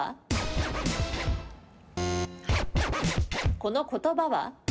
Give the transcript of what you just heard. この言葉は？